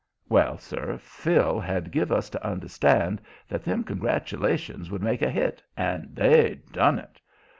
Well, sir, Phil had give us to understand that them congratulations would make a hit, and they done it.